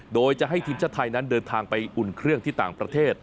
โดยจะให้ทีมชาติไทยนั้นเดินทางไปอุ่นเครื่องที่ต่างประเทศ